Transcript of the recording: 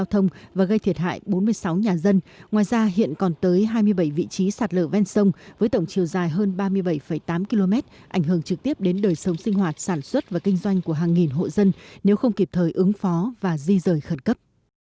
tổng thiệt hại về tài sản xuất và kinh doanh của hàng nghìn hộ dân nếu không kịp thời ứng phó và di rời khẩn cấp